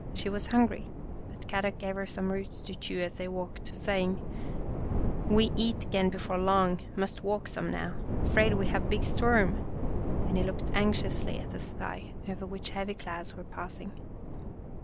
She was hungry, but Kadok gave her some roots to chew as they walked, saying, " We eat 'gain before long, must walk some now. 'Fraid we have big storm," and he looked anxiously at the sky, over which heavy clouds were passing.